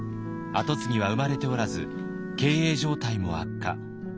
後継ぎは生まれておらず経営状態も悪化。